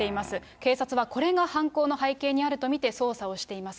警察はこれが犯行の背景にあると見て捜査をしています。